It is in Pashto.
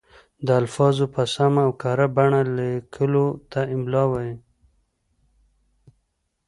د الفاظو په سمه او کره بڼه لیکلو ته املاء وايي.